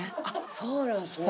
そうなんですね。